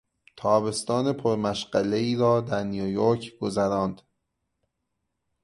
تابستان پرمشغلهای را در نیویورک گذراند.